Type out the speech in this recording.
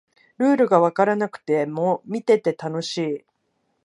ルールがわからなくても見てて楽しい